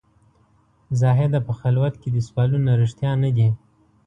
زاهده په خلوت کې دي سوالونه رښتیا نه دي.